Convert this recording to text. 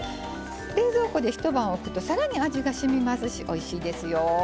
冷蔵庫で一晩おくと更に味がしみますしおいしいですよ。